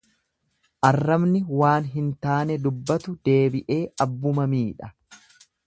Arrabni waan hin taane dubbatu deebi'ee abbuma miidha.